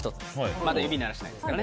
まだ指を鳴らしていないですからね。